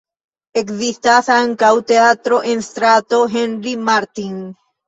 Ekzistas ankaŭ teatro en strato Henri Martin.